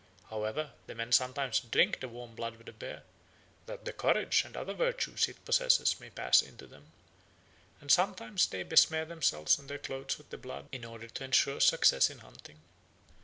However, the men sometimes drink the warm blood of the bear "that the courage and other virtues it possesses may pass into them"; and sometimes they besmear themselves and their clothes with the blood in order to ensure success in hunting.